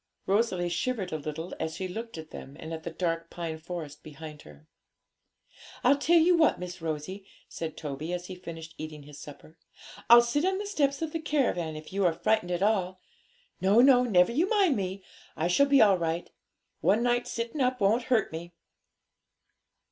Rosalie shivered a little as she looked at them and at the dark pine forest behind her. 'I'll tell you what, Miss Rosie,' said Toby, as he finished eating his supper, 'I'll sit on the steps of the caravan, if you are frightened at all. No, no; never you mind me; I shall be all right. One night's sitting up won't hurt me.'